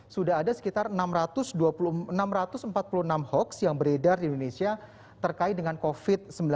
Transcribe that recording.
sudah ada sekitar enam ratus empat puluh enam hoax yang beredar di indonesia terkait dengan covid sembilan belas